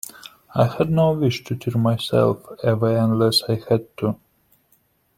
I had no wish to tear myself away unless I had to.